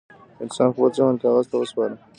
انسان خپل ذهن کاغذ ته وسپاره.